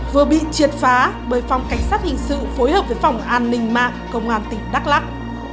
vừa bị triệt phá bởi phòng cảnh sát hình sự phối hợp với phòng an ninh mạng công an tỉnh đắk lắc